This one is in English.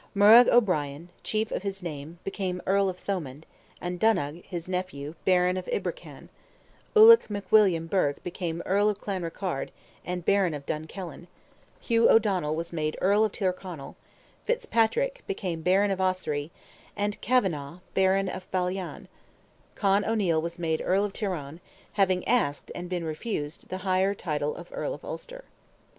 Murrogh O'Brien, chief of his name, became Earl of Thomond, and Donogh, his nephew, Baron of Ibrackan; Ulick McWilliam Burke became Earl of Clanrickarde and Baron of Dunkellin; Hugh O'Donnell was made Earl of Tyrconnell; Fitzpatrick, became Baron of Ossory, and Kavanagh, Baron of Ballyan; Con O'Neil was made Earl of Tyrone, having asked, and been refused, the higher title of Earl of Ulster.